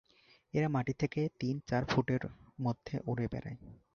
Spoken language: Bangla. এরা মাটি থেকে তিন চার ফুটের মধ্যে উড়ে বেড়ায়।